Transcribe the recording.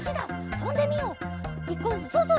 とんでみよう。